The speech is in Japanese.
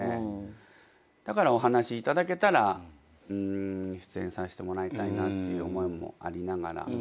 だからお話頂けたら出演させてもらいたいなっていう思いもありながら。